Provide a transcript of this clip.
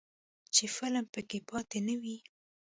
چې فلم پکې پاتې نه وي.